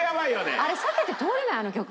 あれ避けて通れないあの曲。